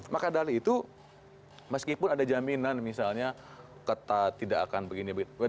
maka dari itu meskipun ada jaminan misalnya kata tidak akan begini begini